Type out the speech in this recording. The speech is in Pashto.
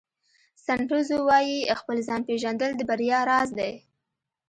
سن ټزو وایي خپل ځان پېژندل د بریا راز دی.